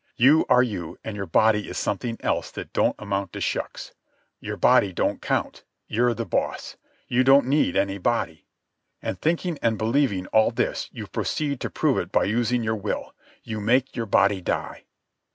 You are you, and your body is something else that don't amount to shucks. Your body don't count. You're the boss. You don't need any body. And thinking and believing all this you proceed to prove it by using your will. You make your body die.